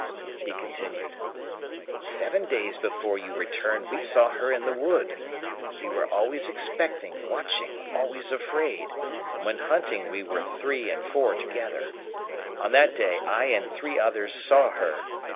He continued: "Seven days before you returned we saw her in the wood. We were always expecting, watching, always afraid; and when hunting we were three and four together. On that day I and three others saw her.